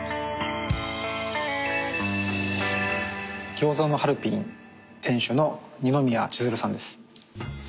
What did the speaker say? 餃子のハルピン店主の二宮千鶴さんです。